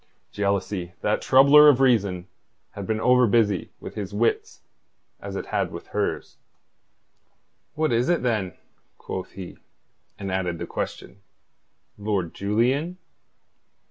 Jealousy, that troubler of reason, had been over busy with his wits as it had with hers. "What is it, then?" quoth he, and added the question: "Lord Julian?"